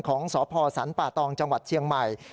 ของสพสรรป่าตองจังหวัดเชียงใหม่